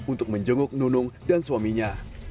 untuk menjenguk nunung dan suaminya